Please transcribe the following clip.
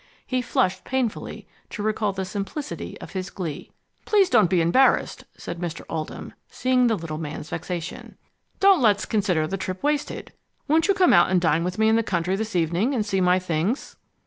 He flushed painfully to recall the simplicity of his glee. "Please don't be embarrassed," said Mr. Oldham, seeing the little man's vexation. "Don't let's consider the trip wasted. Won't you come out and dine with me in the country this evening, and see my things?"